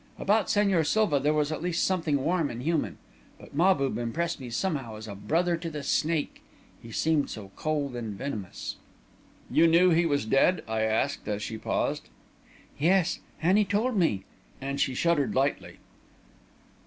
About Señor Silva there was at least something warm and human; but Mahbub impressed me somehow as a brother to the snake, he seemed so cold and venomous." "You knew he was dead?" I asked, as she paused. "Yes; Annie told me," and she shuddered slightly.